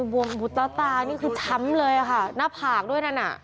วงบุตตานี่คือช้ำเลยค่ะหน้าผากด้วยนั่นน่ะ